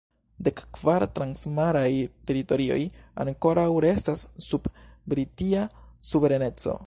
Dekkvar transmaraj teritorioj ankoraŭ restas sub Britia suvereneco.